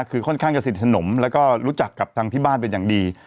คือค่อนข้างจะสนิทสนมแล้วก็รู้จักกับทางที่บ้านเป็นอย่างดี